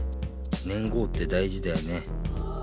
年号ってだいじだよね。